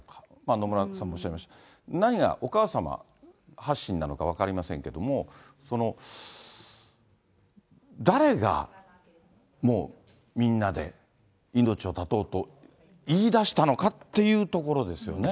野村さんもおっしゃいましたけど、何が、お母様発信なのか分かりませんけども、誰がもうみんなで命を絶とうと言いだしたのかっていうところですよね。